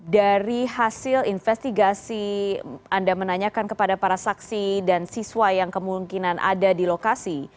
dari hasil investigasi anda menanyakan kepada para saksi dan siswa yang kemungkinan ada di lokasi